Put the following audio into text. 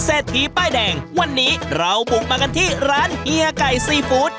เศรษฐีป้ายแดงวันนี้เราบุกมากันที่ร้านเฮียไก่ซีฟู้ด